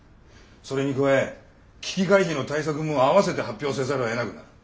それに加え危機回避の対策も併せて発表せざるをえなくなる。